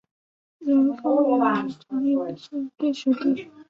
连城原为长汀县属地。